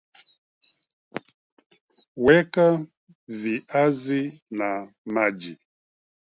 Weka viazi na maji